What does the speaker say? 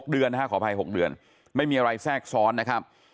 เดือนนะฮะขออภัย๖เดือนไม่มีอะไรแทรกซ้อนนะครับ